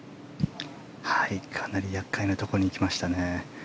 かなり厄介なところに行きましたね。